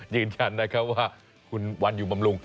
ยืนยันนะครับว่าคุณวันอยู่บำรุง